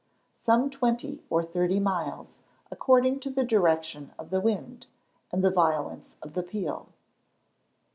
_ Some twenty or thirty miles, according to the direction of the wind, and the violence of the peal.